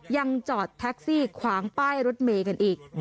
ยังจอดแท็กซี่ขวางป้ายรถเมย์กันอีก